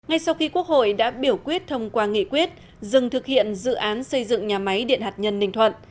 ngay sau khi quốc hội đã biểu quyết thông qua nghị quyết dừng thực hiện dự án xây dựng nhà máy điện hạt nhân ninh thuận